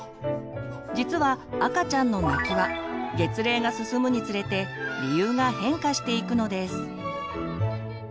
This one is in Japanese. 実は赤ちゃんの泣きは月齢が進むにつれて理由が変化していくのです。